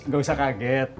gak usah kaget